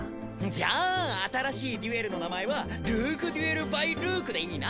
じゃあ新しいデュエルの名前はルークデュエル・バイルークでいいな。